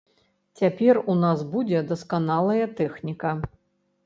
Цяпер у нас будзе дасканалая тэхніка.